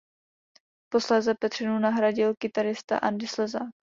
Posléze Petřinu nahradil kytarista Andy Slezák.